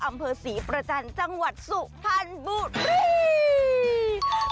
อำเภอศรีประจันทร์จังหวัดสุพรรณบุรี